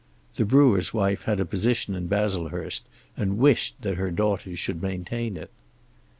The brewer's wife had a position in Baslehurst and wished that her daughters should maintain it.